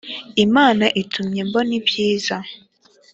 imana itumye mbona ibyiza